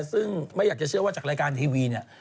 ซึ่งไม่อยากจะเชื่อว่าจากรายการทีวีเนี่ย